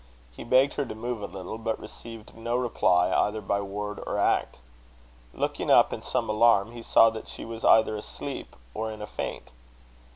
He begged her to move a little, but received no reply either by word or act. Looking up in some alarm, he saw that she was either asleep or in a faint.